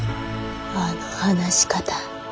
あの話し方